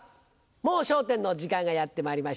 『もう笑点』の時間がやってまいりました。